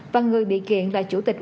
và người bị kiện là chủ tịch